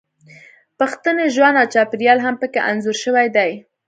پښتني ژوند او چاپیریال هم پکې انځور شوی دی